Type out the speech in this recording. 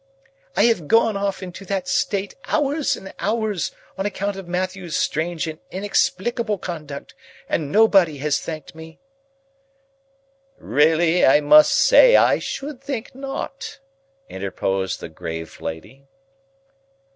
"I have gone off into that state, hours and hours, on account of Matthew's strange and inexplicable conduct, and nobody has thanked me." "Really I must say I should think not!" interposed the grave lady.